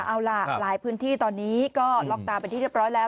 เอาล่ะหลายพื้นที่ตอนนี้ก็ล็อกดาวน์เป็นที่เรียบร้อยแล้ว